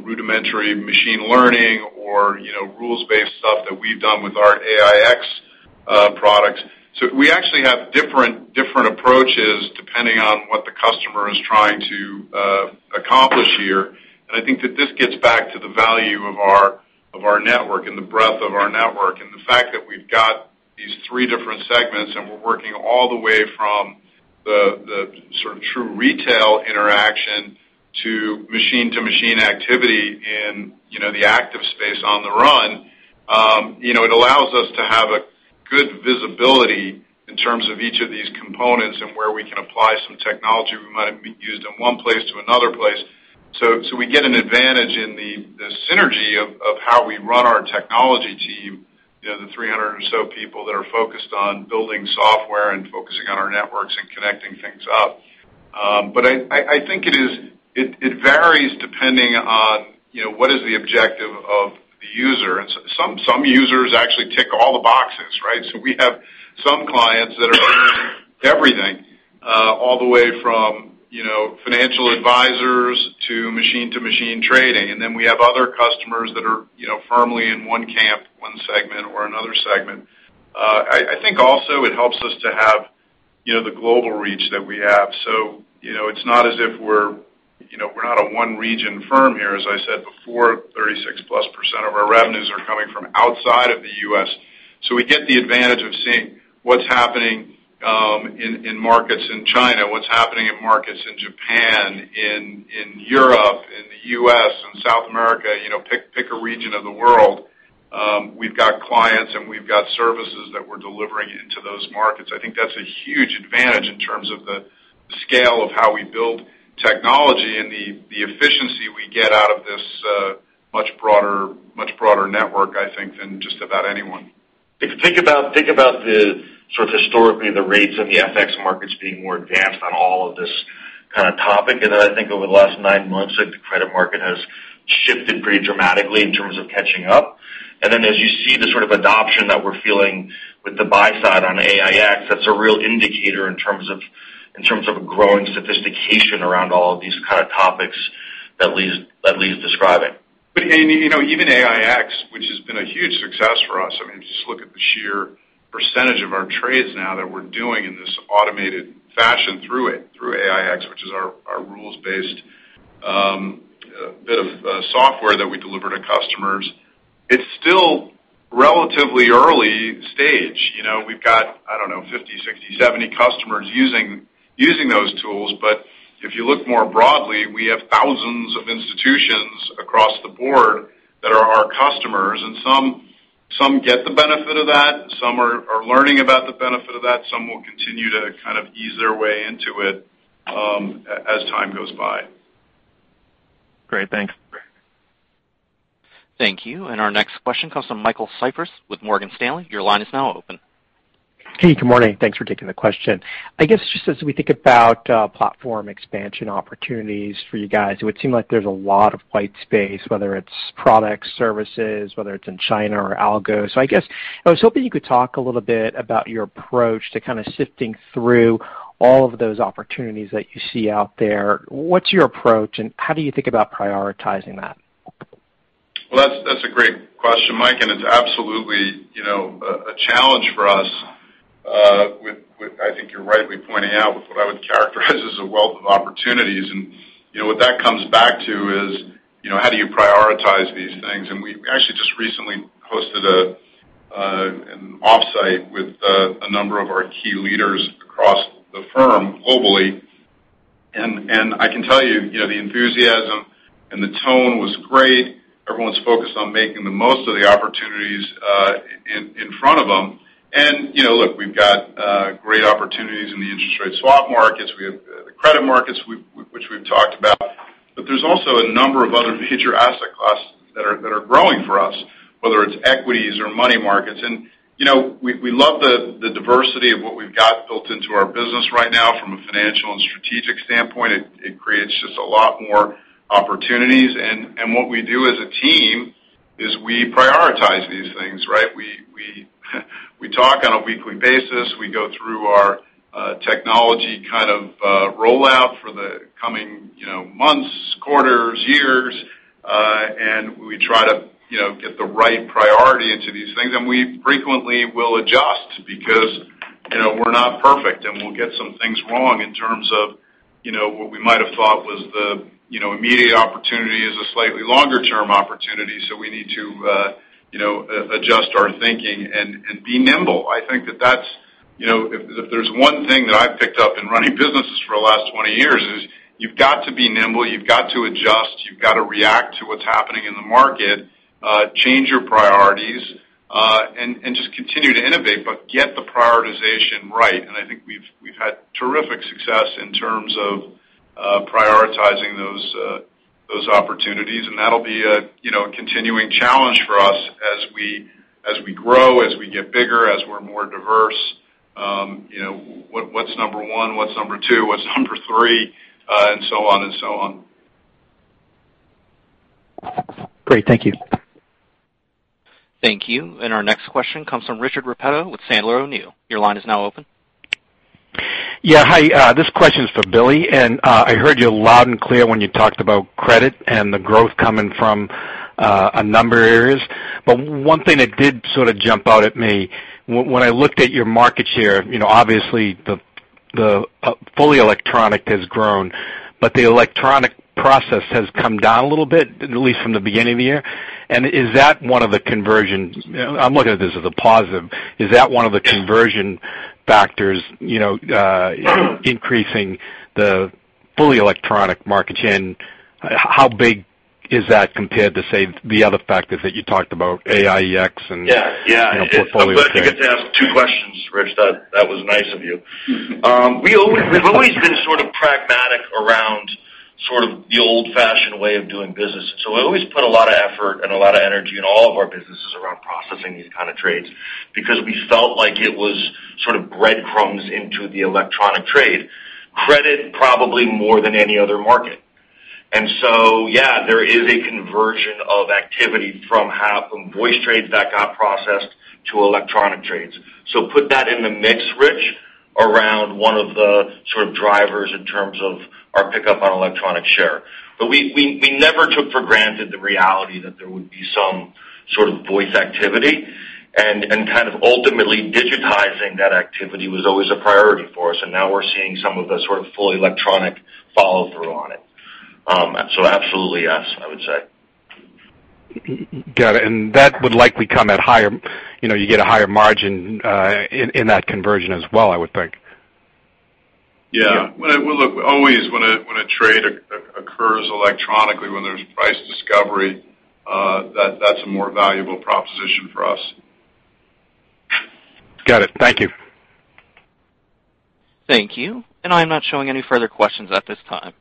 Speaker 3: rudimentary machine learning or rules-based stuff that we've done with our AiEX products. We actually have different approaches depending on what the customer is trying to accomplish here. I think that this gets back to the value of our network and the breadth of our network, and the fact that we've got these three different segments, and we're working all the way from the sort of true retail interaction to machine activity in the active space on the run. It allows us to have a good visibility in terms of each of these components and where we can apply some technology we might have used in one place to another place. We get an advantage in the synergy of how we run our technology team, the 300 or so people that are focused on building software and focusing on our networks and connecting things up. I think it varies depending on what is the objective of the user. Some users actually tick all the boxes, right? We have some clients that are everything, all the way from financial advisors to machine-to-machine trading, and then we have other customers that are firmly in one camp, one segment or another segment. I think also it helps us to have the global reach that we have. We're not a one-region firm here. As I said before, 36%+ of our revenues are coming from outside of the U.S. We get the advantage of seeing what's happening in markets in China, what's happening in markets in Japan, in Europe, in the U.S., in South America. Pick a region of the world, we've got clients, and we've got services that we're delivering into those markets. I think that's a huge advantage in terms of the scale of how we build technology and the efficiency we get out of this much broader network, I think, than just about anyone.
Speaker 4: If you think about, sort of historically, the rates in the FX markets being more advanced on all of this kind of topic. I think over the last nine months, the credit market has shifted pretty dramatically in terms of catching up. As you see the sort of adoption that we're feeling with the buy side on AiEX, that's a real indicator in terms of growing sophistication around all of these kind of topics that Lee's describing.
Speaker 3: Even AiEX, which has been a huge success for us, I mean, just look at the sheer percentage of our trades now that we're doing in this automated fashion through it, through AiEX, which is our rules-based bit of software that we deliver to customers. It's still relatively early stage. We've got, I don't know, 50, 60, 70 customers using those tools. If you look more broadly, we have thousands of institutions across the board that are our customers, and some get the benefit of that, some are learning about the benefit of that. Some will continue to kind of ease their way into it as time goes by.
Speaker 14: Great. Thanks.
Speaker 1: Thank you. Our next question comes from Michael Cyprys with Morgan Stanley. Your line is now open.
Speaker 15: Hey, good morning. Thanks for taking the question. I guess, just as we think about platform expansion opportunities for you guys, it would seem like there's a lot of white space, whether it's products, services, whether it's in China or algo. I guess I was hoping you could talk a little bit about your approach to kind of sifting through all of those opportunities that you see out there. What's your approach, and how do you think about prioritizing that?
Speaker 3: Well, that's a great question, Mike, and it's absolutely a challenge for us. I think you're rightly pointing out with what I would characterize as a wealth of opportunities, and what that comes back to is, how do you prioritize these things? We actually just recently hosted an offsite with a number of our key leaders across the firm globally. I can tell you, the enthusiasm and the tone was great. Everyone's focused on making the most of the opportunities in front of them. Look, we've got great opportunities in the interest rate swap markets. We have the credit markets, which we've talked about. There's also a number of other future asset classes that are growing for us, whether it's equities or money markets. We love the diversity of what we've got built into our business right now from a financial and strategic standpoint. It creates just a lot more opportunities. What we do as a team is we prioritize these things, right? We talk on a weekly basis. We go through our technology rollout for the coming months, quarters, years, and we try to get the right priority into these things. We frequently will adjust because we're not perfect, and we'll get some things wrong in terms of what we might have thought was the immediate opportunity is a slightly longer-term opportunity, so we need to adjust our thinking and be nimble. If there's one thing that I've picked up in running businesses for the last 20 years is you've got to be nimble, you've got to adjust, you've got to react to what's happening in the market, change your priorities, and just continue to innovate, but get the prioritization right. I think we've had terrific success in terms of prioritizing those opportunities, and that'll be a continuing challenge for us as we grow, as we get bigger, as we're more diverse. What's number 1, what's number 2, what's number 3, and so on.
Speaker 15: Great. Thank you.
Speaker 1: Thank you. Our next question comes from Richard Repetto with Sandler O'Neill. Your line is now open.
Speaker 7: Yeah. Hi. This question is for Billy. I heard you loud and clear when you talked about credit and the growth coming from a number areas. One thing that did sort of jump out at me, when I looked at your market share, obviously, the fully electronic has grown, but the electronic process has come down a little bit, at least from the beginning of the year. I'm looking at this as a positive. Is that one of the conversion factors, increasing the fully electronic market share, and how big is that compared to, say, the other factors that you talked about, AiEX?
Speaker 4: Yeah.
Speaker 7: - portfolio trading?
Speaker 4: I'm glad you get to ask two questions, Rich. That was nice of you. We've always been sort of pragmatic around the old-fashioned way of doing business. We always put a lot of effort and a lot of energy in all of our businesses around processing these kind of trades because we felt like it was sort of breadcrumbs into the electronic trade. Credit probably more than any other market. Yeah, there is a conversion of activity from voice trades that got processed to electronic trades. Put that in the mix, Rich, around one of the sort of drivers in terms of our pickup on electronic share. We never took for granted the reality that there would be some sort of voice activity and kind of ultimately digitizing that activity was always a priority for us, and now we're seeing some of the sort of fully electronic follow-through on it. Absolutely yes, I would say.
Speaker 7: Got it. You get a higher margin in that conversion as well, I would think.
Speaker 4: Yeah. Look, always when a trade occurs electronically, when there's price discovery, that's a more valuable proposition for us.
Speaker 7: Got it. Thank you.
Speaker 1: Thank you. I'm not showing any further questions at this time.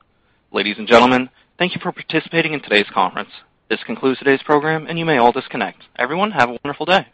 Speaker 1: Ladies and gentlemen, thank you for participating in today's conference. This concludes today's program, and you may all disconnect. Everyone, have a wonderful day.